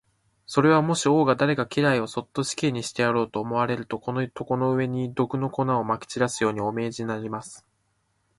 それは、もし王が誰か家来をそっと死刑にしてやろうと思われると、この床の上に、毒の粉をまき散らすように、お命じになります。